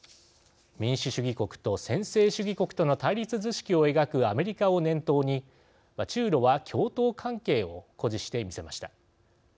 民主主義国と専制主義国との対立図式を描くアメリカを念頭に中ロは共闘関係を誇示してみせました。